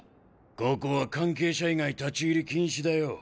ここは関係者以外立ち入り禁止だよ。